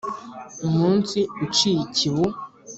Umunsi uciye ikibu